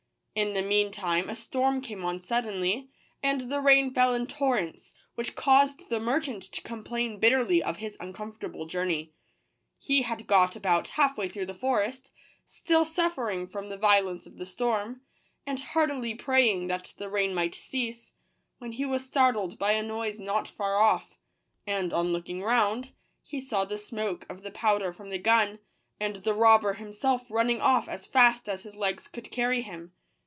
In the mean time a storm came on suddenly, and the rain fell in torrents, which caused the merchant to complain bitterly of his uncomfortable journey. He had got about half way through the forest, still suffering from the violence of the storm, and heartily praying that the rain might cease, when he was startled by a noise not far off; and on looking round, he saw the smoke of the powder from the gun, and the robber himself running off as fast as his legs could carry him.